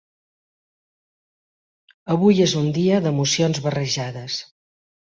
Avui és un dia d’emocions barrejades.